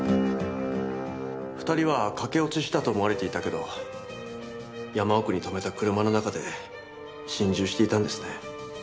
２人は駆け落ちしたと思われていたけど山奥に止めた車の中で心中していたんですね。